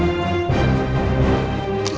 aku akan menang